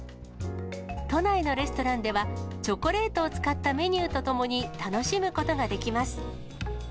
都内のレストランでは、チョコレートを使ったメニューとともに、楽しむことができます。